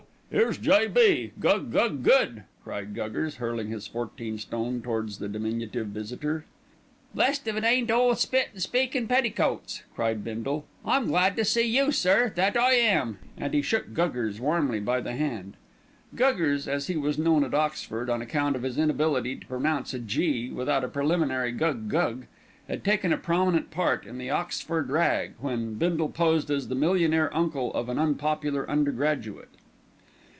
Here's J.B., gug gug good," cried Guggers, hurling his fourteen stone towards the diminutive visitor. "Blessed if it ain't ole Spit and Speak in petticoats," cried Bindle. "I'm glad to see you, sir, that I am," and he shook Guggers warmly by the hand. Guggers, as he was known at Oxford on account of his inability to pronounce a "G" without a preliminary "gug gug," had taken a prominent part in the Oxford rag, when Bindle posed as the millionaire uncle of an unpopular undergraduate.